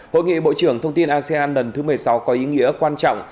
hội nghị bộ trưởng thông tin asean lần thứ một mươi sáu có ý nghĩa quan trọng